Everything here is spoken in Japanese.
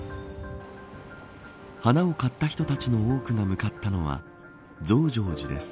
花を買った人たちの多くが向かったのは増上寺です。